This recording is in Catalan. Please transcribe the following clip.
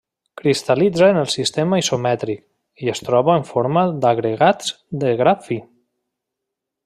Cristal·litza en el sistema isomètric, i es troba en forma d'agregats de gra fi.